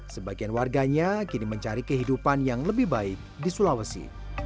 sebagian warganya kini mencari kehidupan yang lebih baik di sulawesi